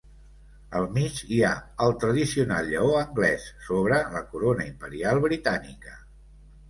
Al mig hi ha el tradicional lleó anglès, sobre la corona imperial britànica.